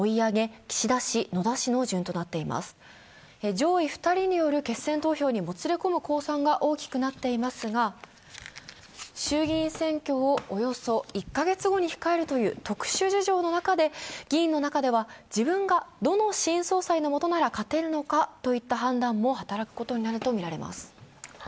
上位２人による決選投票にもつれ込む公算が大きくなっていますが衆議院選挙をおよそ１カ月後に控えるという特殊事情の中で議員の中では自分がどの新総裁のもとなら勝てるのかといった判断も働くことになるとみられます。